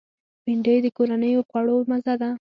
بېنډۍ د کورنیو خوړو مزه ده